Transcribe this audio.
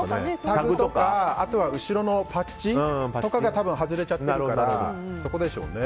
タグとかあとは後ろのパッチとかが多分外れちゃってるからそこでしょうね。